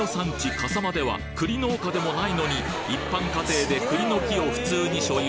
笠間では栗農家でもないのに一般家庭で栗の木を普通に所有。